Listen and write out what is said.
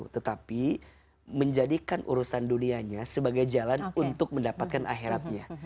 tetapi menjadikan urusan dunianya sebagai jalan untuk mendapatkan akhiratnya